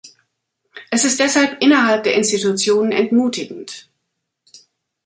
Es ist deshalb innerhalb der Institutionen entmutigend.